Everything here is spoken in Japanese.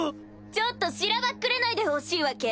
ちょっとしらばっくれないでほしいわけ！